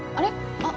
あっ。